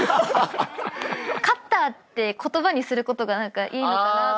「勝った」って言葉にすることがいいのかなと。